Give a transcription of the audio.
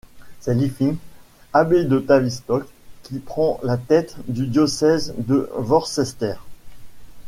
C'est Lyfing, abbé de Tavistock, qui prend la tête du diocèse de Worcester.